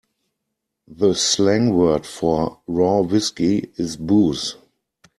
The slang word for raw whiskey is booze.